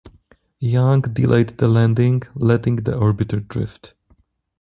Young delayed the landing, letting the orbiter drift.